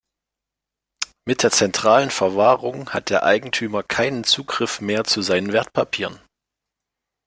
Mit der zentralen Verwahrung hat der Eigentümer keinen Zugriff mehr zu seinen Wertpapieren.